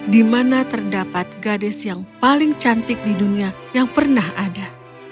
di mana terdapat gadis yang paling cantik di dunia yang pernah ada